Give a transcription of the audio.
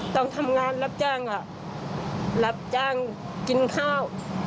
ต้องทำงานรับจ้างรับจ้างกินข้าว